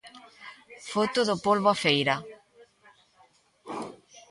Foto do polbo á feira.